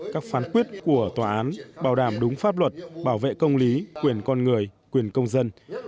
các phán quyết của tòa án bảo đảm đúng pháp luật bảo vệ công lý quyền con người quyền công dân